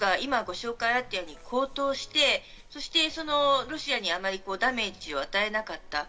エネルギー価格がご紹介にあったように、高騰してロシアにあまりダメージを与えなかった。